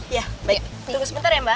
ya baik tunggu sebentar ya mbak